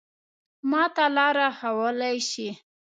ما ته لاره ښوولای شې؟